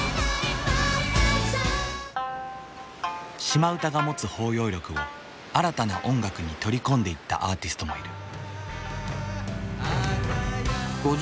島唄が持つ包容力を新たな音楽に取り込んでいったアーティストもいる。